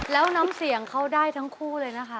แล้วน้ำเสียงเขาได้ทั้งคู่เลยนะคะ